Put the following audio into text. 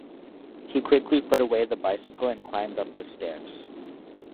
He quickly put away the bicycle and climbed up the stairs.